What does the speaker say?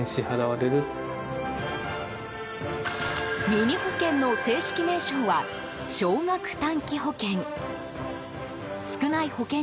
ミニ保険の正式名称は少額短期保険。